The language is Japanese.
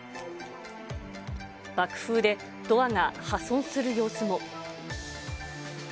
爆風でドアが破損する様子も。